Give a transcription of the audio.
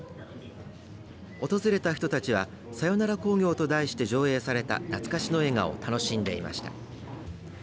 訪れた人たちはさよなら興行と題して上映されたなつかしの映画を楽しんでいました。